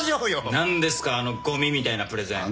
何ですかあのごみみたいなプレゼン。